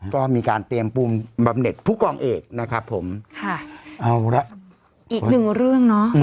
ก็มีการเตรียมปุ่มบำเน็ตผู้กองเอกนะครับผมค่ะเอาละอีกหนึ่งเรื่องเนอะ